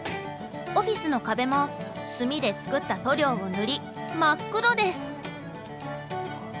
オフィスの壁も炭で作った塗料を塗り真っ黒です！